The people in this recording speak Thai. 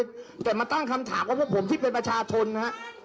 แต่ตั้งคำถามว่าผมที่เป็นประชาชน